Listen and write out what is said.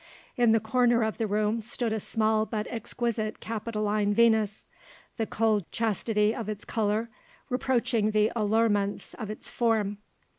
In the corner of the room stood a small but exquisite Capitoline Venus, the cold chastity of its colour reproaching the allurements of its form.